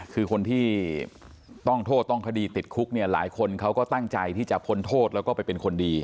คือคนที่ต้องโทษต้องคดีติดคุกเนี่ยหลายคนเขาก็ตั้งใจที่จะพ้นโทษแล้วก็ไปเป็นคนดี